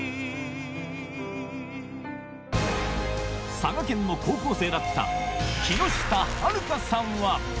佐賀県の高校生だった木下晴香さんは